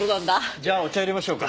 じゃあお茶淹れましょうか？